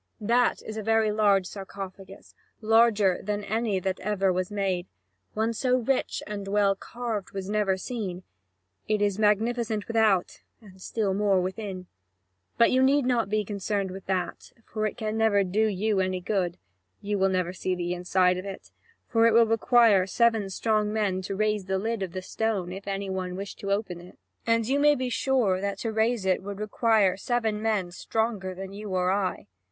That is a very large sarcophagus, larger than any that ever was made; one so rich and well carved was never seen. It is magnificent without, and still more so within. But you need not be concerned with that, for it can never do you any good; you will never see inside of it; for it would require seven strong men to raise the lid of stone, if any one wished to open it. And you may be sure that to raise it would require seven men stronger than you and I.